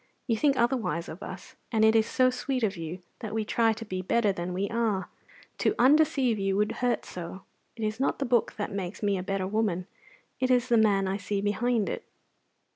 You think otherwise of us, and it is so sweet of you that we try to be better than we are to undeceive you would hurt so. It is not the book that makes me a better woman it is the man I see behind it."